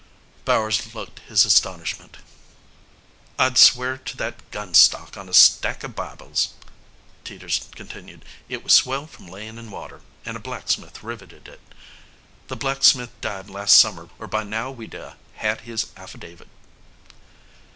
Bowers looked his astonishment. "I'd swear to that gun stock on a stack of Bibles," Teeters continued. "It was swelled from layin' in water, and a blacksmith riveted it. The blacksmith died last summer or by now we'd a had his affidavit."